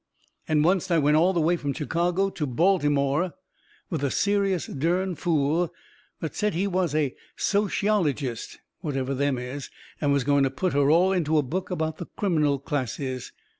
And oncet I went all the way from Chicago to Baltimore with a serious, dern fool that said he was a soshyologest, whatever them is, and was going to put her all into a book about the criminal classes.